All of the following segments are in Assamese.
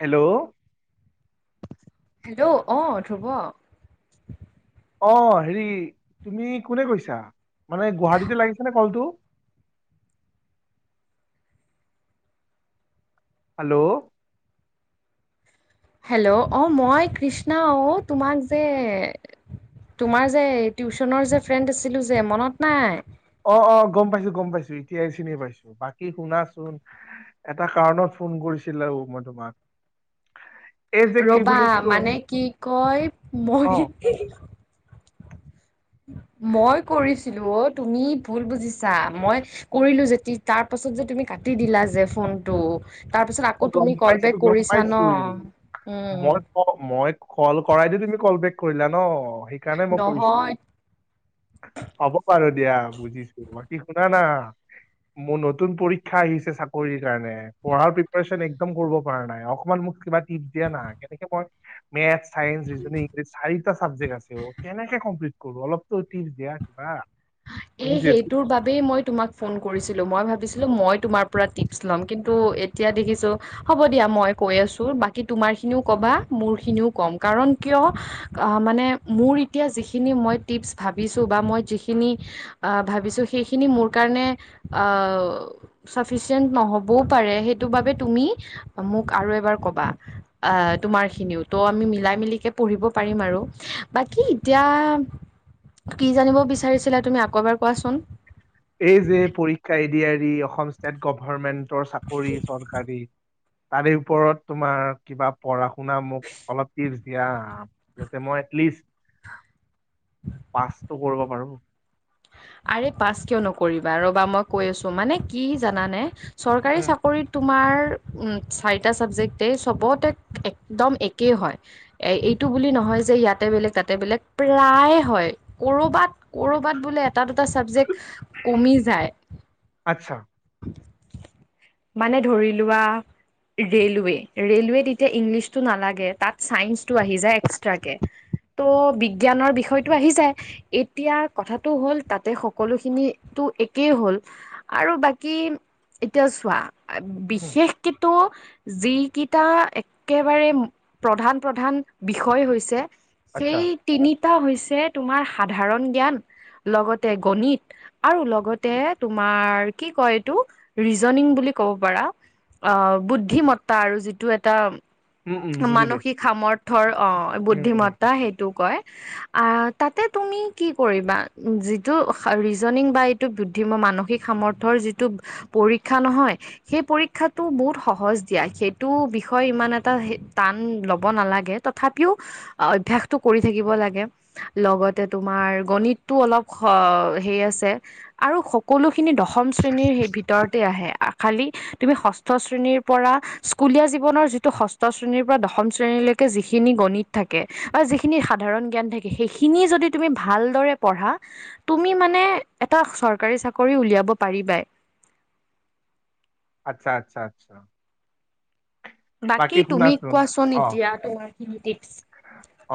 হেল্ল' হেল্ল' অ ধ্ৰুৱ অ হেৰি তুমি কোনে কৈছা মানে গুৱাহাটীতে লাগিছে নে কলটো হেল্ল' হেল্ল' অ মই কৃষ্ণা অ তোমাক যে তোমাৰ যে টিউচনৰ যে ফ্ৰেণ্ড আছিলো যে মনত নাই অ অ গম পাইছো গম পাইছো এতিয়া এই চিনি পাইছো বাকী শুনাচোন এটা কাৰণত ফোন কৰিছিলো মই তোমাক এই যে কি ৰবা বুলি কয় মানে কি কয় অ মই মই কৰিছিলো অ তুমি ভুল বুজিছা মই কৰিলো যে তাৰ পাছত যে তুমি কাটি দিলা যে ফোনটো। তাৰ পিছত আকৌ গম তুমি কল পাইছো বেক গম কৰিছা ন উম, অ মই কল কৰাই দি তুমি কল বেক কৰিলা ন সেইকাৰণে মই কৰিছো। নহয় হ'ব বাৰু দিয়া বুজিছো বাকি শুনা না? মোৰ নতুন পৰীক্ষা আহিছে চাকৰিৰ কাৰণে পঢ়াৰ পি পুৰেচন কৰিব পৰা নাই অকণমান মোক কিবা ট্ৰিপ দিয়া না কেনেকে মই মেঠ চাইেন্স, ৰিজন, ইংলিছ চাৰিটা চাবজেক্ট আছে কেনেকে কমপ্লিট কৰো অলপতো ট্ৰিপ দিয়া কিবা? এ তুমি যিহেতু সেইটোৰ বাবেই মই তোমাক ফোন কৰিছিলো মই ভাবিছিলো মই তোমাৰ পৰা টিপছ ল'ম কিন টো এতিয়া দেখিছো হ'ব দিয়া মই কৈ আছো বাকী তোমাৰ খিনিও কবা মোৰ খিনিও কম কাৰণ কিয় মানে মোৰ এতিয়া যিখিনি মই টিপছ ভাবিছোঁ বা মই যিখিনি আহ ভাবিছো সেইখিনি মোৰ কাৰণে আহ চাফিচিয়েট নহবও পাৰে সেইটো বাবে তুমি মোক আৰু এবাৰ কবা আহ তোমাৰ খিনিও ত' আমি মিলাই মিলিকে পঢ়িব পাৰিম আৰু বাকী এতিয়া কি জানিব বিচাৰিছিলা তুমি আকৌ এবাৰ কোৱাচোন এই যে পৰীক্ষা A D R E Assam state গভমেন্টৰ চাকৰি চৰকাৰী। তাৰে ওপৰত তোমাৰ কিবা পঢ়া শুনা‌ মোক অলপ টিপছ দিয়া? যতে মই এটলিষ্ট পাচটো কৰিব পাৰো। আৰে পাছ কিয় নকৰিবা ৰ'বা মই কৈ আছো মানে কি জানানে চৰকাৰী উম চক কৰি তোমাৰ চাৰিটা চাবজেক্টেই চবতে একদম একেই হয়। এ এইটো বুলি নহয় যে ইয়াতে বেলেগ তাতে বেলেগ প্ৰায়ে হয়। কৰবাত কৰবাত বোলে এটা দুটা চাবজেক্ট কমি যায়। আচ্ছা মানে ধৰি লোৱা ৰেলৱে ৰেলৱে এতিয়া ইংলিছটো নালাগে তাত চাইন্সটো আহি যায়। এক্সট্ৰাকে ত' বিজ্ঞানৰ বিষয়টো আহি যায়। এতিয়া কথাটো হ'ল তাতে সকলোখিনিটো একেই হ'ল আৰু বাক কি এতিয়া চোৱা উম বিশেষ কেতো যিকিটা এক্কেবাৰে প্ৰধান -প্ৰধান বিষয় হৈছে আচ্ছা সেই তিনিটা হৈছে। তোমাৰ সাধাৰণ জ্ঞান লগতে গণিত, আৰু লগতে তোমাৰ কি কয় এইটো ৰিজনিং বুলি ক'ব পাৰা। অ বুদ্ধিমত্তা আৰু যিটো এটা উম উম বুজি মানসিক পাইছো সামৰ্থ্যৰ অ, উম উম বুদ্ধিমত্তা সেইটো কয়। আ, তাতে তুমি কি কৰিবা যিটো ৰিজনং বাইট টো বুদ্ধিম মানসিক সামৰ্থ্যৰ যিটো পৰীক্ষা নহয় সেই পৰীক্ষাটো বহুত সহজ দিয়া সেইটো বিষয়ে ইমান এটা টান ল'ব নালাগে। তথাপিও অভ্যাসটো কৰি থাকিব লাগে। লগতে তোমাৰ গণিতটো অলপ স-সেই আছে। আৰু সকলোখিনি দশম শ্ৰেণীৰ সেই ভিতৰতে আহে খালি তুমি ষষ্ঠ শ্ৰেণীৰ পৰা স্কুলীয়া জীৱনৰ যিটো ষষ্ঠ শ্ৰেণীৰ পৰা দশম শ্ৰেণীলৈকে যিখিনি গণিত থাকে বা যিখিনি সাধাৰণ জ্ঞান থাকে সেইখিনি যদি তুমি ভালদৰে পঢ়া তুমি মানে এটা চৰকাৰী চাকৰি উলিয়াব পাৰিবাই। আচ্ছা- আচ্ছা -আচ্ছা। বাকী তুমি কোৱাচোন এতিয়া তোমাৰ কিনো টিপছ?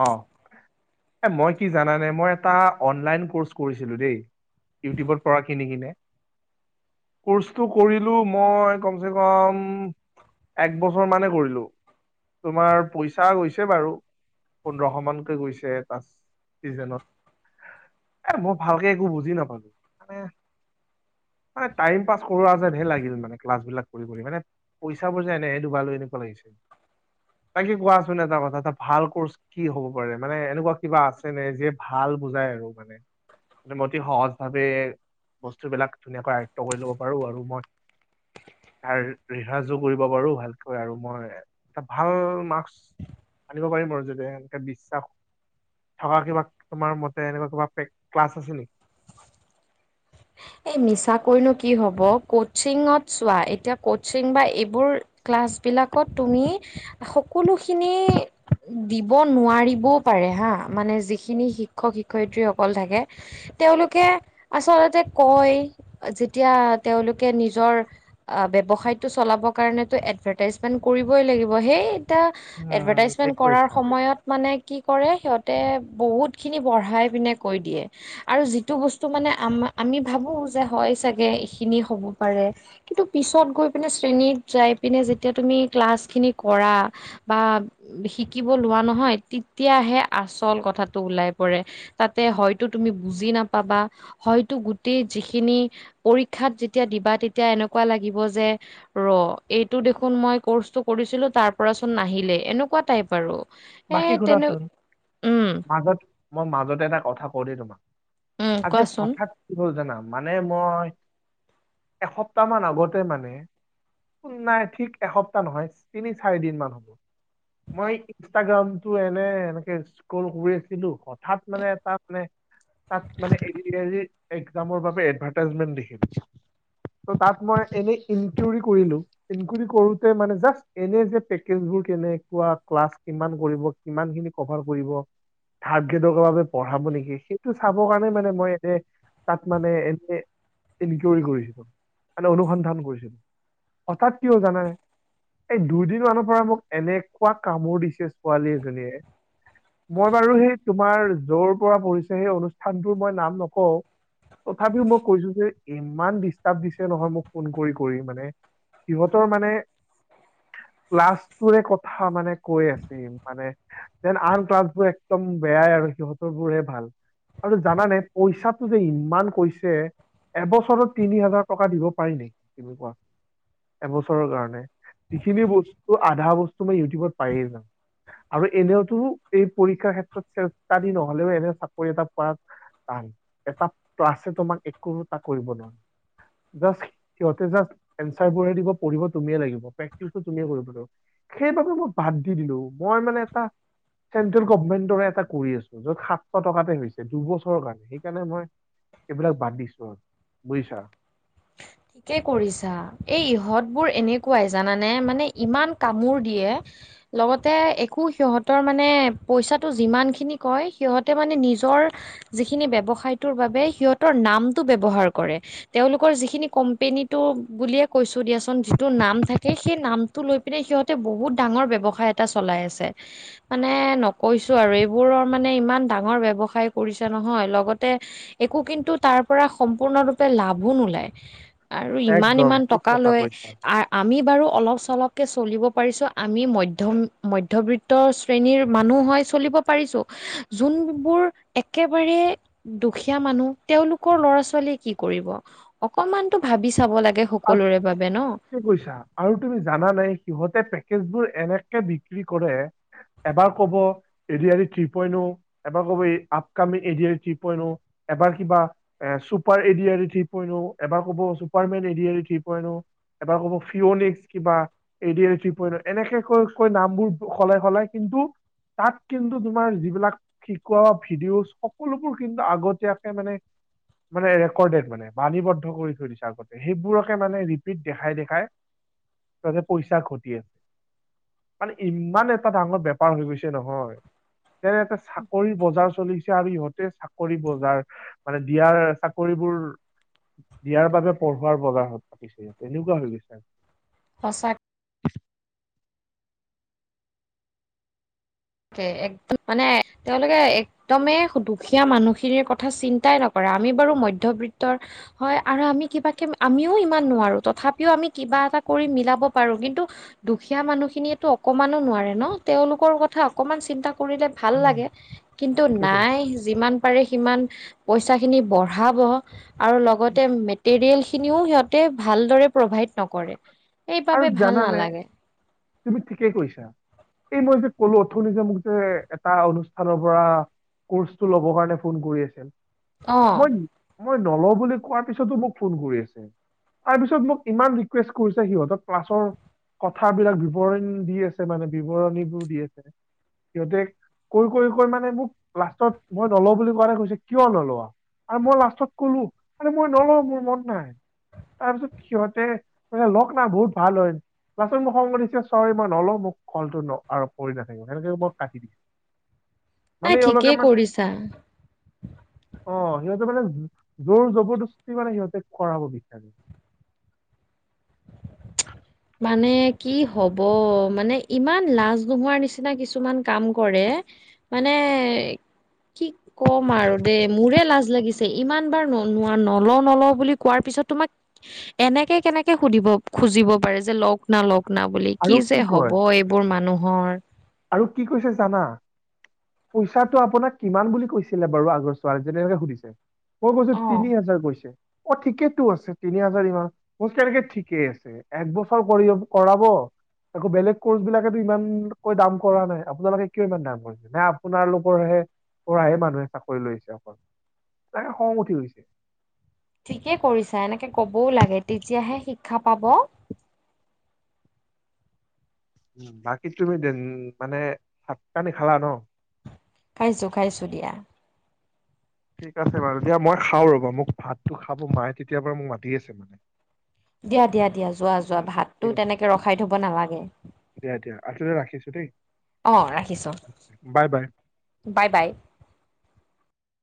অহ', এ মই কি জানানে মই এটা অনলাইন কৰ্চ কৰিছিলোঁ দেই ইউটিউবৰ পৰা কিনি কিনে। কৰ্চটো কৰিলো মই কমচে কম এক বছৰ মানে কৰিলোঁ তোমাৰ পইচা গৈছে বাৰু পোন্ধৰশ মানকে গৈছে এটা চিজেনত। এ মই ভালকে একো বুজি নাপালোঁ মানে মানে টাইম পাছ কৰোৱা যেন হে লাগিল মানে ক্লাছবিলাক কৰি -কৰি মানে পইচাবোৰ যে এনেহে দুবালো এনেকুৱা লাগিছে বাকী কোৱাচোন এটা কথা ভাল কৰ্চ কি হ'ব পাৰে মানে এনেকুৱা কিবা আছে নে যিয়ে ভাল বুজাই আৰু মানে? মানে মই অতি সহজ ভাৱে বস্তু বিলাক ধুনীয়াকৈ আয়ত্ব কৰি ল'ব পাৰো আৰু মই আৰ ৰিহাজো কৰিব পাৰো ভালকৈ আৰু মই এটা ভাল মাৰ্কচ আনিব পাৰিম আৰু যদি এনেকে বিশ্বাস থকা কিবা তোমাৰ মতে এনেকুৱা কিবা ক্লাছ আছে নেকি? এই মিছাকৈনো কি হ'ব কোচিঙত চোৱা এতিয়া কোচিং বা এইবোৰ ক্লাছবিলাকত তুমি সকলোখিনি দিব নোৱাৰিবও পাৰে হা মানে যিখিনি শিক্ষক -শিক্ষয়িত্ৰীসকল থাকে। তেওঁলোকে আচলতে কয় যেতিয়া তেওঁলোকে নিজৰ অ, ব্যৱসায়টো চলাব কাৰণেতো এডভাইটাইজমেণ্ট কৰিবই লাগিব সেই এটা উম, এডভাৰটাইজমেণ্ট ঠিক কৰাৰ কৰিছা সময়ত মানে কি কৰে সিহঁতে বহুতখিনি বঢ়াই পিনে কৈ দিয়ে। আৰু যিটো বস্তু মানে আমি ভাবোঁ যে হয় চাগে এইখিনি হ'ব পাৰে। কিন্তু পিছত গৈ পিনে শ্ৰেণীত যাই পিনে যেতিয়া তুমি ক্লাছ খিনি কৰা বা শিকিব লোৱা নহয় তেতিয়াহে আচল কথাটো ওলাই পৰে। তাতে হয়তো তুমি বুজি নাপাবা হয় হয়টো গোটেই যিখিনি পৰীক্ষাত যেতিয়া দিবা তেতিয়া এনেকুৱা লাগিব যে ৰ'এইটো দেখোন মই কৰ্চটো কৰিছিলোঁ তাৰ পৰাচোন নাহিলে এনেকুৱা টাইপ আৰু। এ বাখি তেনে শুনাছোন উম আগত মই মাজতে এটা কথা কওঁদে তোমাক উম আজি কোৱাচোন হঠাৎ কি হ'ল জানা, মানে মই, এসপ্তাহ মান আগতে মানে', উম', নাই ঠিক এসপ্তাহ নহয় তিনি-চাৰি দিন মান হ'ব, মই', ইনষ্টাগ্ৰামতো এনে, এনেকে স্ক্ৰল কৰি আছিলোঁ হঠাৎ মানে এটা মানে', তাত মানে এৰি দিয়ে যে এক্সামৰ বাবে এডভাৰ্টাইজমেন্ট দেখি পাইছোঁ', ত' তাত মই এনে ইনটিউৰি কৰিলোঁ। ইনকুৰি কৰোতে মানে জাচ এনে যে পেকেজবোৰ কেনেকুৱা ক্লাছ কিমান কৰিব কিমান খিনি কভাৰ কৰিব থাৰ্ড গ্ৰেডৰ বাবে পঢ়াব নেকি সেই টো চাব কাৰণে মানে মই এতে তাত মানে এনে ইনকিউৰী কৰিছিলোঁ, মানে অনুসন্ধান কৰিছিলোঁ', হঠাৎ কি হ'ল জানা নে, এই দুদিন মানৰ পৰা মোক এনেকুৱা কামোৰ দিছে', ছোৱালী এজনীয়ে', মই বাৰু সেই তোমাৰ যৰ পৰা পৰি়ছে সেই অনুষ্ঠানটোৰ মই নাম নকওঁ', তথাপিও মই কৈছোঁ যে, ইমান ডিষ্টাৰ্ব দিছে নহয় মোক ফোন কৰি- কৰি মানে', সিহঁতৰ মানে, ক্লাছটোৰে কথা মানে কৈ আছে', মানে যেন আন ক্লাছবোৰ একদম বেয়াই আৰু সিহঁতৰ বোৰহে ভাল', আৰু জানানে পইচাটো যে ইমান কৈছে', এবছৰত তিনি হাজাৰ টকা দিব পাৰি নেকি তুমি কোৱা? এবছৰৰ কাৰণে, যিখিনি বস্তু আধা বস্তু মই ইউটিউবত পায়েই যাম', আৰু এনেওতো এই পৰীক্ষাৰ ক্ষেত্ৰত চেলফ ষ্টাডি নহ'লেও এনে চাকৰি এটা পাম', পাম, এটা ক্লাছে তোমাক একো এটা কৰিব নোৱাৰো জাষ্ট', সিহঁতে জাষ্ট, এনচাৰবোৰহে দিব, পঢ়িব তুমিয়ে লাগিব, পেক্টিছো তুমিয়ে কৰিব লাগিব', সেইবাবে মই বাদ দি দিলোঁ, মই মানে এটা', চেন্ট্ৰেল গভমেণ্টৰে এটা কৰি আছোঁ, য'ত সাতশ টকাতে হৈছে দুবছৰ কাৰণে সেইকাৰণে মই', এইবিলাক বাদ দিছোঁ আৰু বুজিছা', [unintelligible] তাকে কৰিছা, এই ইহঁত বোৰ এনেকুৱাই জানানে, মানে ইমান কামোৰ দিয়ে', লগতে একো সিহঁতৰ মানে, পইচাটো যিমানখিনি কয় সিহঁতে মানে নিজৰ', যিখিনি ব্যৱসায়টোৰ বাবে সিহঁতৰ নামটো বব্যবহাৰ কৰে, তেওলোক', কৈ যিখিনি কম্পেনীটো বুলিয়ে কৈছোঁ দিয়াচোন যিটো নাম থাকে সেই নাম', নামটো লৈ পিনে সিহঁতে বহুত ডাঙৰ ব্যৱসায় এটা চলাই আছে', মানে ন কৈছোঁ আৰু এইবোৰৰ মানে ইমান ডাঙৰ ব্যৱসায় কৰিছে নহয় লগতে', একো কিন্তু তাৰ পৰা সম্পূৰ্ণৰূপে লাভো নোলায়', আৰু ইমান- একদম ইমান ঠিক টকা কথা লৈ, কৈছা আ', আমি বাৰু অলপ- চলপকে চলিব পাৰিছোঁ, আমি মধ্যয়ম- মধ্যবিত্তৰ', শ্ৰেণীৰ মানুহ হয় চলিব পাৰিছোঁ, যোনবোৰ একেবাৰে', দুখীয়া মানুহ, তেওঁলোকৰ ল'ৰা-ছোৱালী কি কৰিব? অকমানতো ভাবি চাব লাগে, সকলোৰে বাবে ন', তুমি বুজিছা আৰু তুমি জানানাই সিহঁতে পেকেজ বোৰ এনেকে বিক্ৰী কৰে', এবাৰ ক'ব', A D I D three point O, এবাৰ ক'ব এই upcoming A D I D three point O, এবাৰ কিবা', এ super A D I D three point O এবাৰ ক'ব superman A D I D three point O ', এবাৰ ক'ব ফিঅনিক্স কিবা', এ ডি আই ডি পৰ এনেকে কৈ- কৈ নামবোৰ সলাই - সলাই কিন্তু', তাত কিন্তু তোমাৰ যিবিলাক', শিকোৱা ভিডিঅ' চব, সকলোবোৰ কিন্তু আগতীয়াকে মানে', মানে ৰেকৰ্ডেড মানে বাণীবদ্ধ কৰি থৈ দিছে আগতে', সেইবোৰকে মানে ৰিপিট দেখাই - দেখাই, তাহঁতে পইচা ঘটি আছে', মানে ইমান এটা ডাঙৰ বেপাৰ হৈ গৈছে নহয়', তেনে, এটা চাকৰি বজাৰ চলিছে আৰু ইহঁতে চাকৰি বজাৰ', মানে দিয়াৰ, চাকৰিবোৰ দিয়াৰ বাবে', পঢ়োৱাৰ বজাৰত পাতিছে ইয়াত এনেকুৱা হৈ গৈছে আৰু। সঁচাক কে, একদম মানে তেওলোকে একদমে দুখীয়া মানুহখিনিৰ কথা চিন্তাই নকৰে আমি বাৰু মধ্যবিত্তৰ হয় আৰু আমি কিবাকে‌ ম', আমিও ইমান নোৱাৰো তথাপিও আমি কিবা এটা কৰি মিলাব পাৰোঁ কিন্তু', দুখীয়া মানুহখিনিয়েতো অকমানো নোৱাৰে ন তেওঁওলোকৰ কথা অ', অকমান চিন্তা কৰিলে ভাল উম। লাগে, কিন্তু ঠিকে কৈছা নাই যিমান', পাৰে সিমান, পইচাখিনি বঢ়াব আৰু লগতে মেটেলিয়ালখিনি', খিনিও সিহঁতে ভালদৰে প্ৰভাইড নকৰে, আৰু সেইবাবে ভাল জানানে নালাগে। তুমি ঠিকেই কৈছা, এই মই যে কলো অথনি যে মোক যে এটা অনুষ্ঠানৰ পৰা কৰ্চটো লব কাৰণে ফোন কৰি আছিল। অ মই মই নলওঁ বুলি কোৱাৰ পিছতো মোক ফোন কৰি আছে। তাৰ পিছত মোক ইমান ৰিকুৱেষ্ট কৰিছে সিহঁতক ক্লাছৰ কথাবিলাক বিৱৰণ দি আছে, মানে বিৱৰণীবোৰ দি আছে সিহঁতে কৈ - কৈ - কৈ মানে মোক লাষ্টত মই নলওঁ বুলি কোৱা ন কৈছে কিয় নলোৱা। আৰু মই লাষ্টত কলো, আৰে মই নলওঁ মোৰ মন নাই। তাৰপিছত সিহঁতে মানে লগ না বহুত ভাল হয়, লাষ্টত মোৰ খং উঠিছে। চ মই নলও মোক কলটো কৰি নাথাকিব সেনেকে মই কাটি দি মানে নাই এওঁলোকে ঠিকেই মানে, কৰিছা অঁ, সিহঁতে মানে জোৰ জবৰদস্তি মানে সিহঁতে কৰাব বিচাৰে। মানে কি হব মানে ইমান লাজ নোহোৱাৰ নিচিনা কিছুমান কাম কৰে। মানে কি কম আৰু দেই, মোৰে লাজ লাগিছে। ইমান বাৰ ন নোৱা নলও - নলও বুলি কোৱাৰ পিছত তোমাক। এনেকে কেনেকে সুধিব খুজিব পাৰে। যে লওক না লওক না বুলি আৰু কি যে কয় হ'ব এইবোৰ মানুহৰ। আৰু কি কৈছে জানা। পইচাটো আপোনাক কিমান বুলি কৈছিলে বাৰু আগৰ ছোৱালীজনী এনেকে সুধিছে। মই কৈছো অ তিনি হাজাৰ কৈছে অ ঠিকেই আছে তিনি হাজাৰ ইমান ক এনেকে ঠিকেই আছে। এক বছৰ কৰি কৰাব আকৌ বেলেগ কৰ্চ বিলাকেতো ইমান- কৈ দাম কৰা নাই আপোনালোকে কিয় ইমান দাম কৰিছে নে আপোনাৰালোকৰহে- পৰাহে মানুহে চাকৰি লৈছে অকল এনেকে খং উঠি গৈছে। ঠিকে কৰিছা এনেকে ক'বও লাগে তেতিয়াহে শিক্ষা পাব। উম, বাকী তুমি মানে ভাতপানী খালা ন? খাইছো-খাইছো দিয়া। ঠিক আছে বাৰু দিয়া, মই খাওঁ ৰ'বা মোক ভাতটো খাব মায়ে তেতিয়াৰ মোক মাতি আছে মানে দিয়া- দিয়া -দিয়া যোৱা যোৱা ভাতো ঠিক আছে তেনেকে ৰখাই থব নালাগে দিয়া - দিয়া আতে ৰাখিছো দেই। অঁ, ৰাখিছো বাই বাই বাই - বাই।